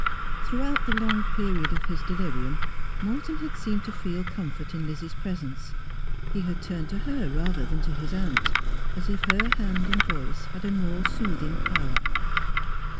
Throughout the long period of his delirium Morton had seemed to feel comfort in Lizzie's presence. He had turned to her rather than to his aunt, as if her hand and voice had a more soothing power.